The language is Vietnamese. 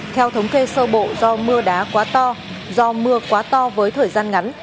theo thống kê sơ bộ do mưa đá quá to do mưa quá to với thời gian ngắn